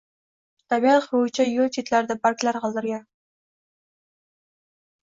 Tabiat xuruji yo’l chetlarida barglar qoldirgan.